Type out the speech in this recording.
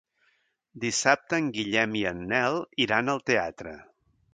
Dissabte en Guillem i en Nel iran al teatre.